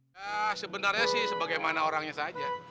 ya sebenarnya sih sebagaimana orangnya saja